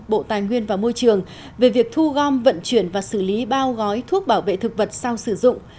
bộ tài nguyên và môi trường về việc thu gom vận chuyển và xử lý bao gói thuốc bảo vệ thực vật sau sử dụng